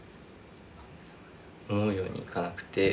思うようにいかなくて。